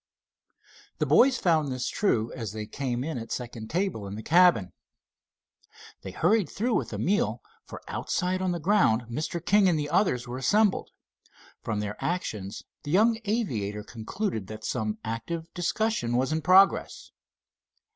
The boys found this true as they came in at second table in the cabin. They hurried through with the meal, for outside on the ground Mr. King and the others were assembled. From their actions the young aviator concluded that some active discussion was in progress.